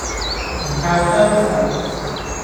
唔靠雙手